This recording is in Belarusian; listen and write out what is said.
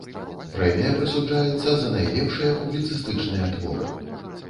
Прэмія прысуджаецца за найлепшыя публіцыстычныя творы.